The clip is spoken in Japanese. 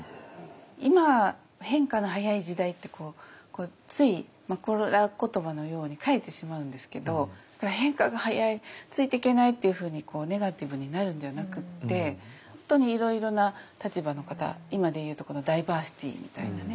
今変化の早い時代ってついコロナ言葉のように書いてしまうんですけど変化が早いついていけないっていうふうにネガティブになるんではなくって本当にいろいろな立場の方今で言うところのダイバーシティーみたいなね